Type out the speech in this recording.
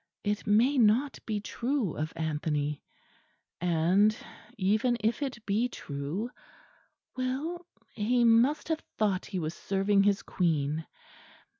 It may not be true of Anthony; and even if it be true well, he must have thought he was serving his Queen.